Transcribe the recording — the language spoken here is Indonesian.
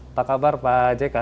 apa kabar pak jk